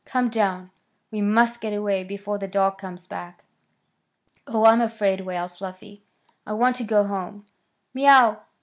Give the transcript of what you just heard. "Come down. We must get away before the dog comes back." "Oh, I'm afraid!" wailed Fluffy. "I want to go home. Mew!